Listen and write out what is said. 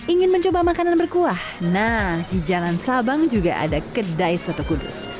ingin mencoba makanan berkuah nah di jalan sabang juga ada kedai soto kudus